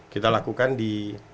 kita lakukan di